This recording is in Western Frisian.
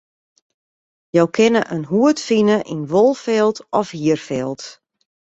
Jo kinne in hoed fine yn wolfilt of hierfilt.